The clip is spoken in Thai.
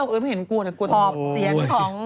แล้วเป็นผู้ใหญ่